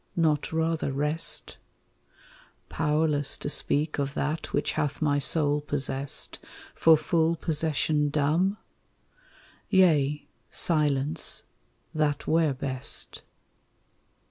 not rather rest, Powerless to speak of that which hath my soul possessed, For full possession dumb? Yea, Silence, that were best.